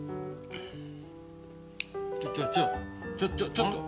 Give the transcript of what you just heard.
ちょっちょっちょっと！